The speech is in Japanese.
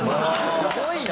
すごいな！